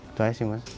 itu aja sih mas